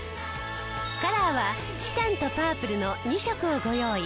カラーはチタンとパープルの２色をご用意。